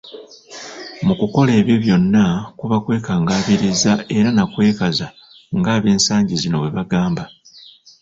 Mu kukola ebyo byonna, kuba kwekangabiriza era nakwekaza nga ab'ensangi zino bwe bagamba .